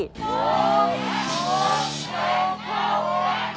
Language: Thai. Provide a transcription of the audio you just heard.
หลวงแสนบาทหลวงแสนบาท